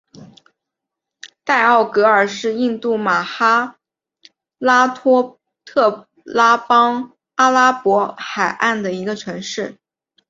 代奥格尔是印度马哈拉施特拉邦阿拉伯海岸的一个城市。